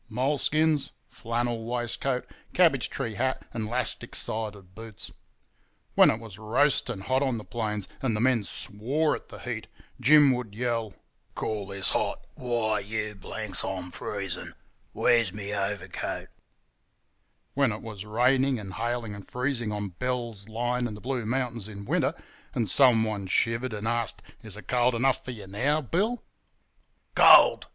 Moleskins, flannel waistcoat, cabbage tree hat and 'lastic side boots. When it was roasting hot on the plains and the men swore at the heat, Jim would yell, 'Call this hot? Why, you blanks, I'm freezin'! Where's me overcoat?' When it was raining and hailing and freezing on Bell's Line in the Blue Mountains in winter, and someone shivered and asked, 'Is it cold enough for yer now, Bill?' 'Cold!